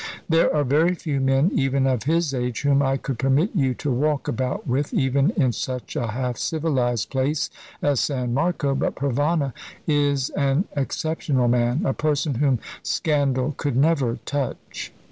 "There are very few men even of his age whom I could permit you to walk about with, even in such a half civilised place as San Marco; but Provana is an exceptional man, a person whom scandal could never touch."